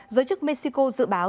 giới chức mexico dự báo